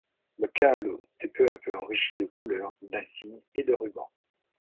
Le khâlot s'est peu à peu enrichi de couleurs, d'insignes et de rubans.